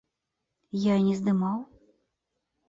Я і не здымаў.